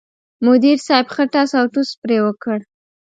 مدیر صاحب ښه ټس اوټوس پرې وکړ.